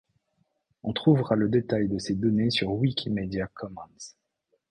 On trouvera le détail de ces données sur Wikimedia Commons.